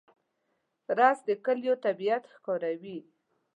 رس د کلیو طبیعت ښکاروي